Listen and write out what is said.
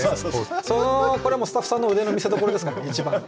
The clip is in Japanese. これもスタッフさんの腕の見せどころですからね一番の。